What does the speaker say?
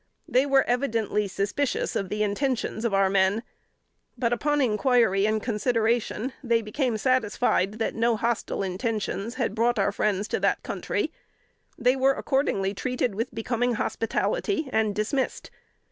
They were evidently suspicious of the intentions of our men; but upon inquiry and consideration, they became satisfied that no hostile intentions had brought our friends to that country; they were accordingly treated with becoming hospitality, and dismissed.